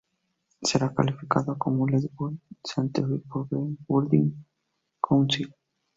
Será calificada como Leed Gold Certified por el Green Building Council.